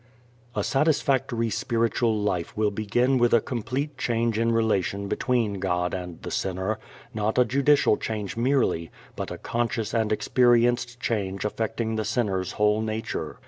A satisfactory spiritual life will begin with a complete change in relation between God and the sinner; not a judicial change merely, but a conscious and experienced change affecting the sinner's whole nature.